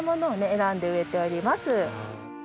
選んで植えております。